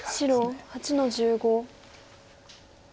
白８の十五。